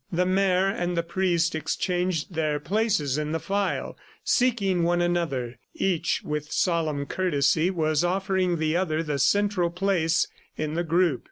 The mayor and the priest changed their places in the file, seeking one another. Each, with solemn courtesy, was offering the other the central place in the group.